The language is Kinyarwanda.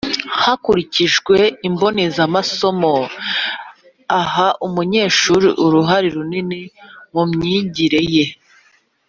hakurikijwe imbonezamasomo iha umunyeshuri uruhare runini mu myigire ye,